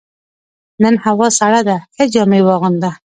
نن هوا سړه ده، ښه جامې واغونده.